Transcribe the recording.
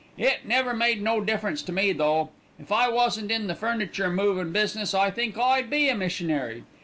It never made no difference to me, though. If I wasn't in the furniture movin' business I think I'd be a missionary.